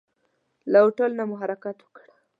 له هوټل نه مو حرکت وکړ.